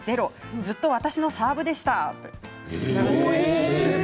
ずっと私のサーブでした。